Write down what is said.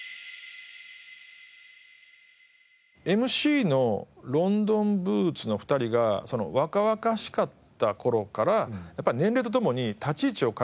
ＭＣのロンドンブーツの２人が若々しかった頃からやっぱり年齢とともに立ち位置を変えながら。